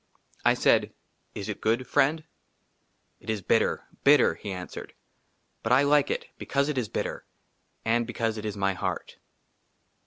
I SAID, " IS IT GOOD, FRIEND ?'* "IT IS BITTER BITTER," HE ANSWERED; "BUT I LIKE IT " BECAUSE IT IS BITTER, " AND BECAUSE IT IS MY HEART."